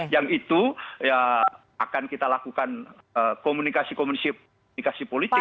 yang itu ya akan kita lakukan komunikasi komunikasi politik